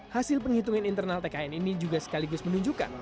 hasil penghitungan internal tkn ini juga sekaligus menunjukkan